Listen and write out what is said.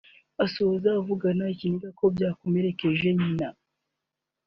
Asoza avugana ikiniga ko byakomerekeje nyina